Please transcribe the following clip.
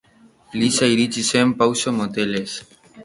Lisa iritsi zen pauso motelez.